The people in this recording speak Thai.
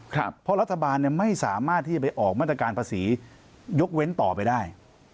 เพราะรัฐบาลไม่สามารถที่จะไปออกมาตรการภาษียกเว้นต่อไปได้